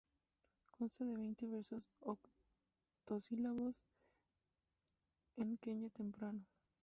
Consta de veinte versos octosílabos en quenya temprano.